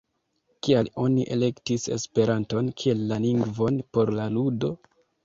Kial oni elektis Esperanton kiel la lingvon por la ludo?